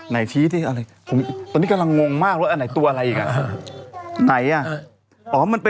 ไหนทีที่ตอนนี้กำลังงงมากว่าไหนตัวอะไรอีก